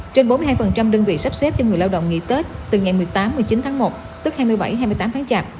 trên bốn mươi hai đơn vị sắp xếp cho người lao động nghỉ tết từ ngày một mươi tám một mươi chín tháng một tức hai mươi bảy hai mươi tám tháng chạp